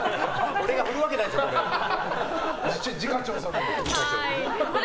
俺が振るわけないでしょ、それ。